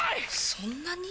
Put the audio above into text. そんなに！？